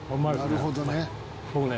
「なるほどね」僕ね。